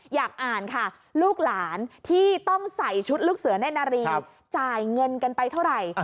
อยากอ่านค่ะลูกหลานที่ต้องใส่ชุดลูกเสือแน่นารีจ่ายเงินกันไปเท่าไหร่